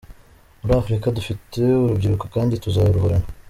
Muri Afurika dufite urubyiruko kandi tuzaruhorana.